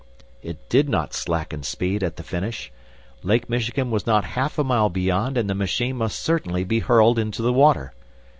It did not slacken speed at the finish. Lake Michigan was not half a mile beyond, and the machine must certainly be hurled into the water!